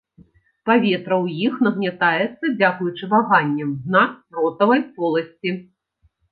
Паветра ў іх нагнятаецца дзякуючы ваганням дна ротавай поласці.